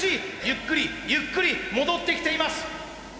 ゆっくりゆっくり戻ってきています。